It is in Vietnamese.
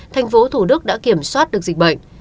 tp thủ đức đã kiểm soát được dịch bệnh